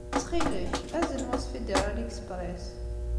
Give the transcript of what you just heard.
Ttxil-k, azen wa s Federal Express.